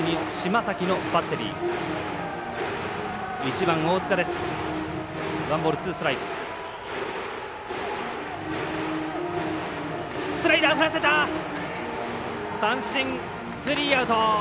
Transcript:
三振、スリーアウト。